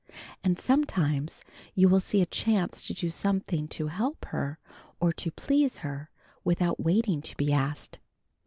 And sometimes you will see a chance to do something to help her or to please her, without waiting to be asked.